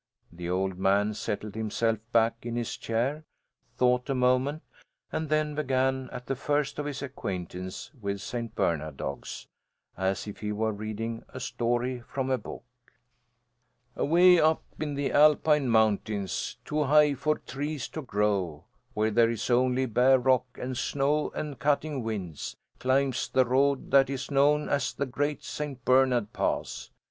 The old man settled himself back in his chair, thought a moment, and then began at the first of his acquaintance with St. Bernard dogs, as if he were reading a story from a book. "Away up in the Alpine Mountains, too high for trees to grow, where there is only bare rock and snow and cutting winds, climbs the road that is known as the Great St. Bernard Pass.